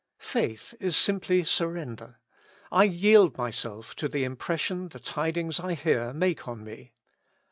Faith is simply surrender : I yield myself to the impression the tidings I hear make on me.